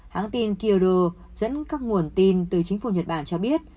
hãng tin kyodo dẫn các nguồn tin từ chính phủ nhật bản cho biết